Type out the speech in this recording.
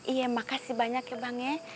iya makasih banyak ya bang ya